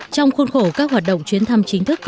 trong khuôn khổ các hoạt động chuyến thăm chính thức